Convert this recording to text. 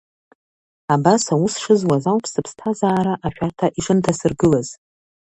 Абас аус шызуаз ауп сыԥсҭазаара ашәарҭа ишынҭасыргылаз.